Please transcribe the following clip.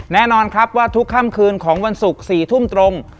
แน่นอนครับว่าทุกค่ำคืนของวันศุกร์๔ทุ่มตรง